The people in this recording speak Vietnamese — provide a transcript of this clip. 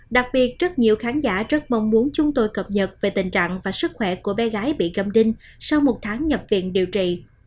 đặc biệt rất nhiều khán giả rất mong muốn chúng tôi cập nhật về tình trạng và sức khỏe của bé gái bị gầm đinh sau một tháng nhập viện điều trị